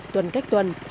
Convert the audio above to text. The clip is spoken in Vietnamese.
tuần cách tuần